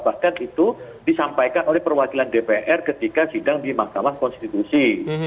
bahkan itu disampaikan oleh perwakilan dpr ketika sidang di mahkamah konstitusi